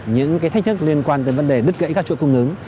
những cái thách thức liên quan tới vấn đề đứt gãy các chuỗi cung ứng